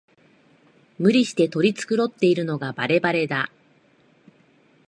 無理して取り繕ってるのがバレバレだ